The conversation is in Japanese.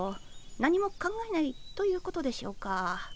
何も考えないということでしょうか？